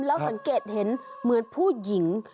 แล้วสังเกตเห็นเหมือนผู้หญิง